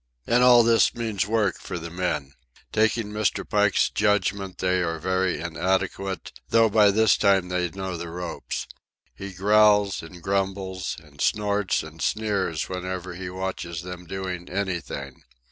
And all this means work for the men. Taking Mr. Pike's judgment, they are very inadequate, though by this time they know the ropes. He growls and grumbles, and snorts and sneers whenever he watches them doing anything.